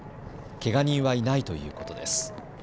けが人はいないということです。